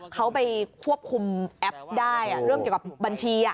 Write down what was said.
เขาไปควบคุมแอปได้เรื่องเกี่ยวกับบัญชี